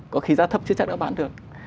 có khi giá thấp chứ chắc đã bán được